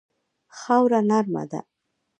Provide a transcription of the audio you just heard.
خاوره نرمه ده.